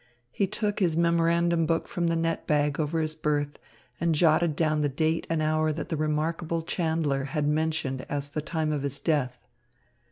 He took his memorandum book from the net bag over his berth and jotted down the date and hour that the remarkable chandler had mentioned as the time of his death.